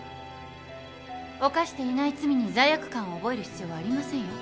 犯していない罪に罪悪感を覚える必要はありませんよ